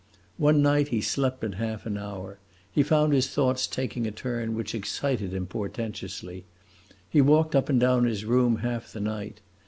One night he slept but half an hour; he found his thoughts taking a turn which excited him portentously. He walked up and down his room half the night.